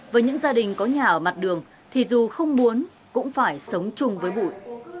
với những gia đình có nhà ở mặt đường thì dù không muốn cũng phải sống chung với bụi